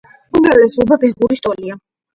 უმრავლესობა ბეღურის ტოლია.